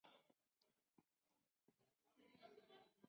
Los atlantes no matan ninguna criatura viviente y sueñan sin sueños.